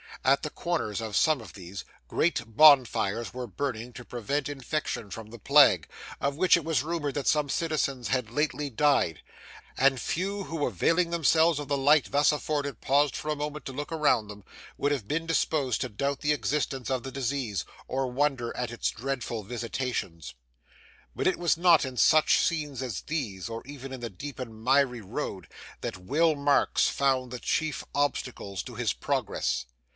At the corners of some of these, great bonfires were burning to prevent infection from the plague, of which it was rumoured that some citizens had lately died; and few, who availing themselves of the light thus afforded paused for a moment to look around them, would have been disposed to doubt the existence of the disease, or wonder at its dreadful visitations. But it was not in such scenes as these, or even in the deep and miry road, that Will Marks found the chief obstacles to his progress.